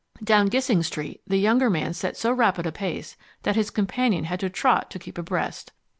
Down Gissing Street the younger man set so rapid a pace that his companion had to trot to keep abreast.